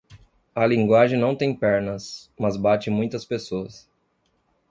A linguagem não tem pernas, mas bate muitas pessoas.